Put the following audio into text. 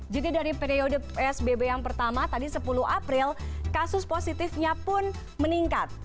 jadi dari periode psbb yang pertama tadi sepuluh april kasus positifnya pun meningkat